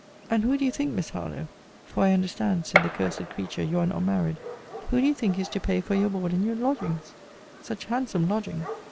And who do you think, Miss Harlowe; for I understand, said the cursed creature, you are not married; who do you think is to pay for your board and your lodgings! such handsome lodgings!